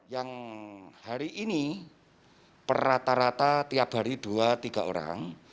yang hari ini per rata rata tiap hari dua tiga orang